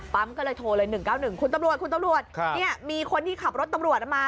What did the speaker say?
ปั๊มก็เลยโทรเลย๑๙๑คุณตำรวจนี่มีคนที่ขับรถตำรวจมา